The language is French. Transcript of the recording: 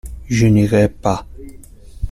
Je n’irai pas.